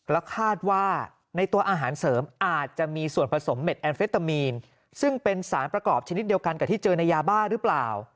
แล้วคาดว่าในตัวอาหารเสริมอาจจะมีส่วนผสมเม็ดแอนเฟตามีนซึ่งเป็นสารประกอบชนิดเดียวกันกับที่เจอในยาบ้าหรือเปล่า